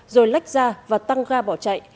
rồi lách ra và tăng ga bỏ chạy